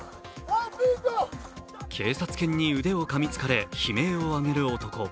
警察犬に腕をかみつかれ悲鳴を上げる男。